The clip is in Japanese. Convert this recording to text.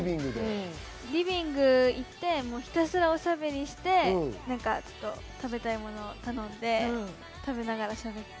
ひたすらおしゃべりして、食べたいものを頼んで、食べながらしゃべって。